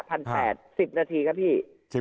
พันแปดสิบนาทีครับพี่